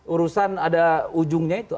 urusan ada ujungnya itu